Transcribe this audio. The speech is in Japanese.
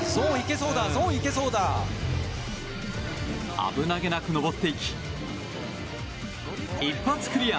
危なげなく登っていき一発クリア。